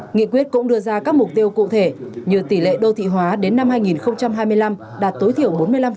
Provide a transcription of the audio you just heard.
nghị quyết cũng đưa ra các mục tiêu cụ thể như tỷ lệ đô thị hóa đến năm hai nghìn hai mươi năm đạt tối thiểu bốn mươi năm